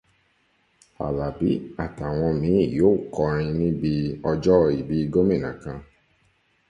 Àlàbí àtàwọn míì yóò kọrin níbi ọjọ́ ìbí gómìnà kan.